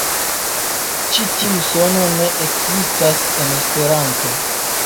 Ĉi tiu sono ne ekzistas en Esperanto.